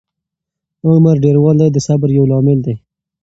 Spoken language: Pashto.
عمر ډېروالی د صبر یو لامل دی.